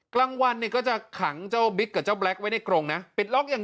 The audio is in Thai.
กลางวันเนี่ยก็จะขังเจ้าบิ๊กกับเจ้าแล็คไว้ในกรงนะปิดล็อกอย่าง